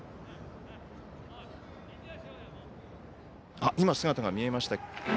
あっ今姿が見えました。